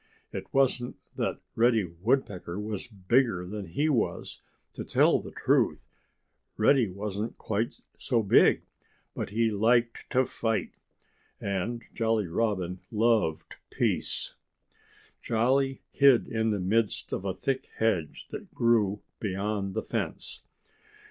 It wasn't that Reddy Woodpecker was bigger than he was. To tell the truth, Reddy wasn't quite so big. But he liked to fight. And Jolly Robin loved peace. Jolly hid in the midst of a thick hedge that grew beyond the fence.